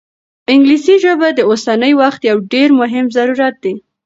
انګلیسي ژبه د اوسني وخت یو ډېر مهم ضرورت دی.